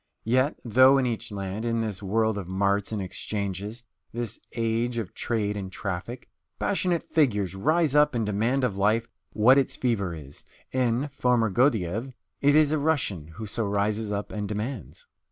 Yet, though in each land, in this world of marts and exchanges, this age of trade and traffic, passionate figures rise up and demand of life what its fever is, in "Foma Gordyeeff" it is a Russian who so rises up and demands.